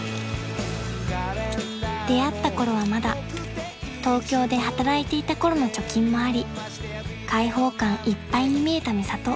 ［出会ったころはまだ東京で働いていたころの貯金もあり解放感いっぱいに見えたミサト］